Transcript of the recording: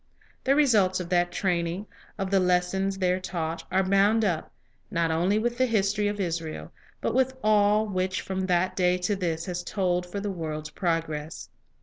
The results of that training, of the lessons there taught, are bound up, not only with the history of Israel, but with all which from that day to this has told fir the world's progress.